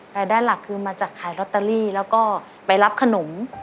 รายได้หลักคือมาจากขายลอตเตอรี่แล้วก็ไปรับขนม